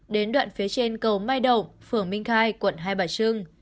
đến đoạn phía trên cầu mai đậu phường minh khai quận hai bà trưng